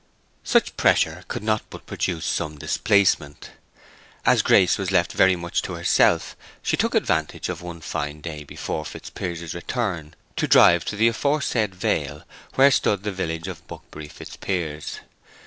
So much pressure could not but produce some displacement. As Grace was left very much to herself, she took advantage of one fine day before Fitzpiers's return to drive into the aforesaid vale where stood the village of Buckbury Fitzpiers.